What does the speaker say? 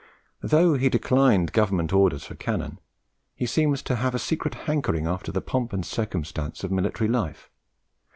Though he declined Government orders for cannon, he seems to have had a secret hankering after the "pomp and circumstance" of military life.